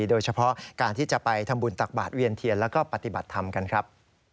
โดยเฉพาะการที่จะไปทำบุญตักบาทเวียนเทียนแล้วก็ปฏิบัติธรรมกันครับ